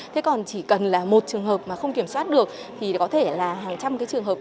thế còn chỉ cần là một trường hợp mà không kiểm soát được thì có thể là hàng trăm cái trường hợp